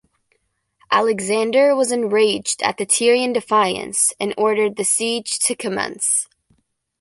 Alexander was enraged at the Tyrian defiance and ordered the siege to commence.